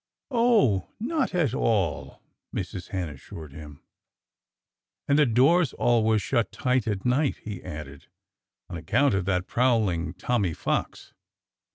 "Oh! Not at all!" Mrs. Hen assured him. "And the door's always shut tight at night," he added, "on account of that prowling Tommy Fox."